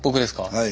はい。